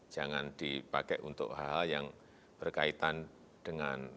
jangan dipakai untuk hal hal yang berkaitan dengan